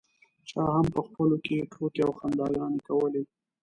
چا هم په خپلو کې ټوکې او خنداګانې کولې.